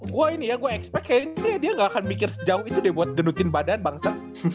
gue ini ya gue expect kayak ini dia gak akan mikir sejauh itu dia buat denukin badan bangsa